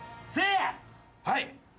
はい。